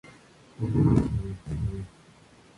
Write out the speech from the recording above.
Nació en Madrid durante la posguerra española.